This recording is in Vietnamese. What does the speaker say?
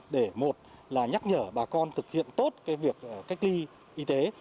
để một là nhắc nhở bà con thực hiện tốt việc cách ly y tế